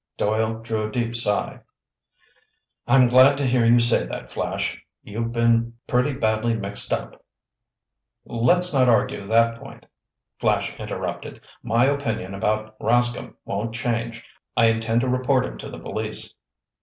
Doyle drew a deep sigh. "I'm glad to hear you say that, Flash. You've been pretty badly mixed up—" "Let's not argue that point," Flash interrupted. "My opinion about Rascomb won't change. I intend to report him to the police."